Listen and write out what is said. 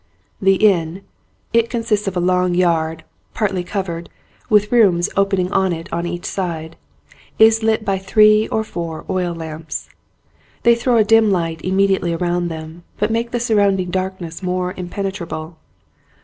The inn — it consists of a long yard, partly covered, with rooms opening on it on each side — is lit by three or four oil lamps. They throw a dim light immediately around them, but make the surrounding darkness more impenetrable.